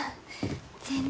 全然。